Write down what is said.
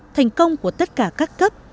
thành công của tất cả các cấp